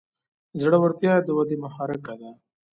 زړورتیا د ودې محرکه ده.